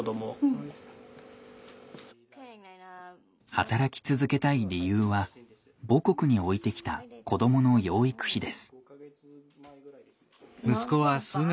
働き続けたい理由は母国に置いてきた子どもの養育費です。